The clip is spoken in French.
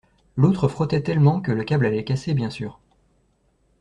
L'autre frottait tellement, que le câble allait casser bien sûr.